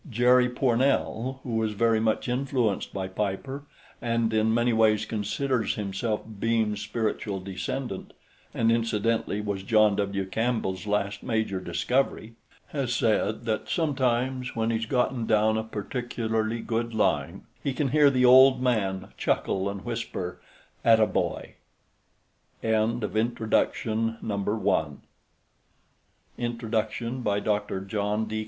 Jerry Pournelle, who was very much influenced by Piper and in many ways considers himself Beam's spiritual descendant and incidently was John W. Campbell's last major discovery has said that sometimes, when he's gotten down a particularly good line, he can hear the "old man" chuckle and whisper, atta boy. Introduction Dr. John D.